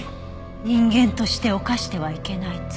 人間として犯してはいけない罪？